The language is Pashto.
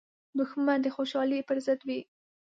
دښمن د خوشحالۍ پر ضد وي